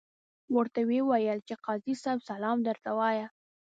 ورته ویې ویل چې قاضي صاحب سلام درته وایه.